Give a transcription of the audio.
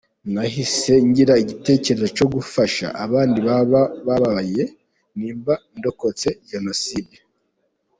Nahise ngira igitekerezo cyo gufasha abandi bababaye nimba ndokotse Jenoside”.